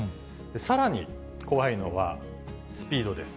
さらに、怖いのはスピードです。